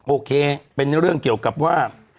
โอเคเป็นเรื่องเกี่ยวกับว่า